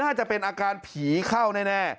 น่าจะเป็นอาการผีเข้าแน่